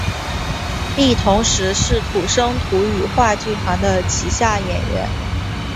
亦同时是土生土语话剧团的旗下演员。